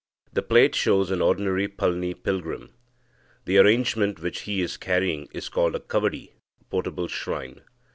The plate shows an ordinary Palni pilgrim. The arrangement which he is carrying is called a kavadi (portable shrine).